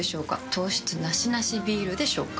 糖質ナシナシビールでしょうか？